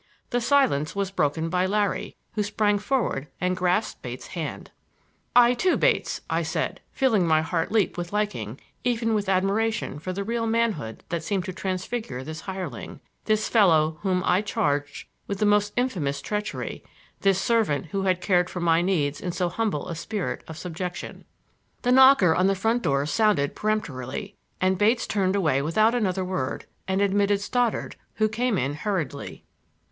The silence was broken by Larry, who sprang forward and grasped Bates' hand. "I, too, Bates," I said, feeling my heart leap with liking, even with admiration for the real manhood that seemed to transfigure this hireling,—this fellow whom I had charged with most infamous treachery, this servant who had cared for my needs in so humble a spirit of subjection. The knocker on the front door sounded peremptorily, and Bates turned away without another word, and admitted Stoddard, who came in hurriedly.